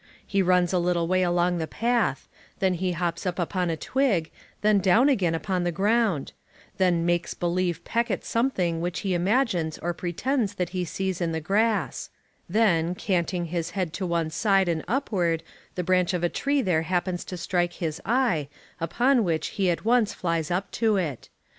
He runs a little way along the path; then he hops up upon a twig, then down again upon the ground; then "makes believe" peck at something which he imagines or pretends that he sees in the grass; then, canting his head to one side and upward, the branch of a tree there happens to strike his eye, upon which he at once flies up to it.